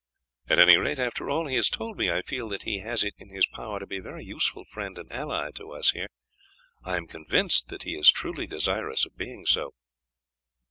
At any rate, after all he has told me I feel that he has it in his power to be a very useful friend and ally to us here; I am convinced that he is truly desirous of being so."